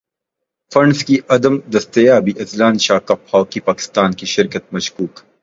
funds کی عدم دستیابی اذلان شاہ کپ ہاکی میں پاکستان کی شرکت مشکوک